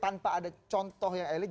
tanpa ada contoh yang elit